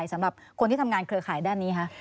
จะต้องการอะไรสำหรับคนที่ทำงานเครือข่ายด้านนี้คะ